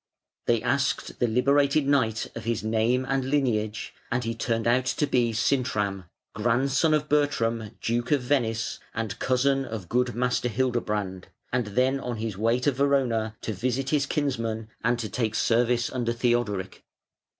They asked the liberated knight of his name and lineage, and he turned out to be Sintram, grandson of Bertram, Duke of Venice, and cousin of good Master Hildebrand, and then on his way to Verona to visit his kinsman and to take service under Theodoric.